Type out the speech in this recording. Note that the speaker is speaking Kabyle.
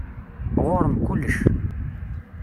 Ɣur-m kullec.